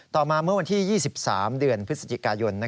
ต่อมาเมื่อวันที่๒๓เดือนพฤศจิกายน